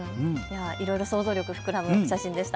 いろいろ想像力膨らむお写真でした。